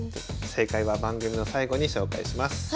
正解は番組の最後に紹介します。